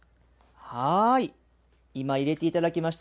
今、いれていただきました。